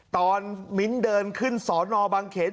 ตอนมิ้นเดินขึ้นสอนอบังเข็ญ